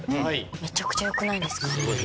めちゃくちゃよくないですか？